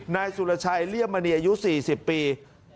นายสุรชัยเลี่ยมมะนียอยู่สี่สิบปี